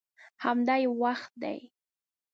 همدا یې وخت دی.